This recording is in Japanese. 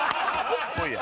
来いや。